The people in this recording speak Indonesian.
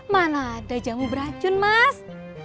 mana ada jamu beracun mas